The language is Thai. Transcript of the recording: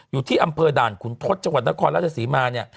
อยู่ที่อำเภอด่านขุนทศจังหวัดนครราชศรีมาเนี่ย